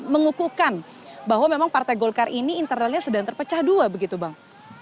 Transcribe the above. mengukuhkan bahwa memang partai golkar ini internalnya sedang terpecah dua begitu bang